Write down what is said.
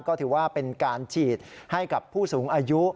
ก็ถือว่าเป็นการฉีดให้กับผู้สูงอายุ